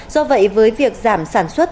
do vậy với việc giảm sản xuất